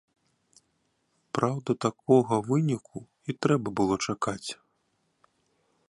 Праўда, такога выніку і трэба было чакаць.